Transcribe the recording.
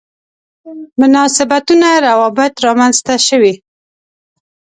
مناسبتونه روابط رامنځته شوي.